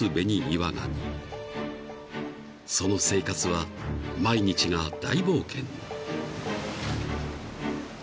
［その生活は毎日が大冒険］